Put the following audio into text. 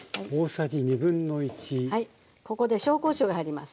ここで紹興酒が入ります。